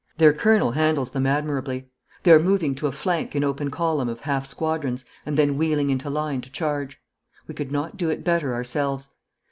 Their colonel handles them admirably. They are moving to a flank in open column of half squadrons and then wheeling into line to charge. We could not do it better ourselves.